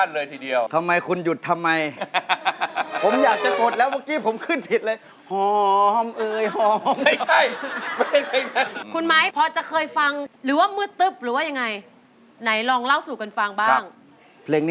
แม้แต่คุณสรพงศ์เองที่เคยลั่นวาจาว้าจะเสียบทุกเพลง